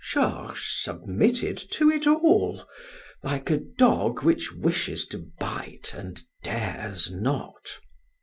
Georges submitted to it all, like a dog which wishes to bite and dares not.